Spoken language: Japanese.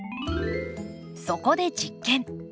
そこで実験！